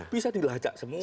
bisa dilacak semua